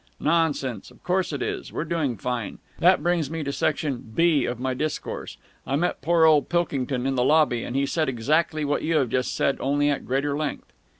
"Nonsense! Of course it is! We're doing fine. That brings me to section (b) of my discourse. I met poor old Pilkington in the lobby, and he said exactly what you have just said, only at greater length."